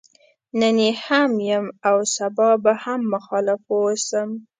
نن يې هم يم او سبا به هم مخالف واوسم.